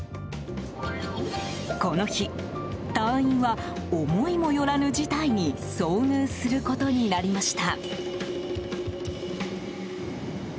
この日、隊員は思いもよらぬ事態に遭遇することになりました。